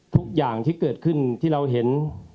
ทุกอย่างที่เกิดขึ้นที่เราเห็น